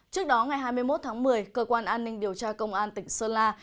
trước đó ngày hai mươi một tháng một mươi cơ quan an ninh điều tra công an tỉnh sơn la